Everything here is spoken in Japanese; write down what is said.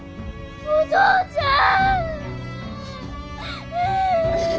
お父ちゃん。